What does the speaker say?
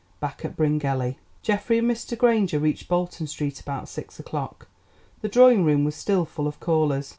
BACK AT BRYNGELLY Geoffrey and Mr. Granger reached Bolton Street about six o'clock. The drawing room was still full of callers.